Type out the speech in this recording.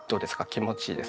気持ちいいです？